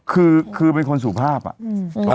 คือคือเป็นคนสุภาพอ่ะ